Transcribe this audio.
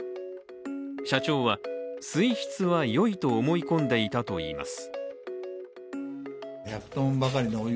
社長は、水質はよいと思い込んでいたといいます。